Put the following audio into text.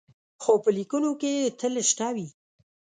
خو په لیکنو کې یې تل شته وي.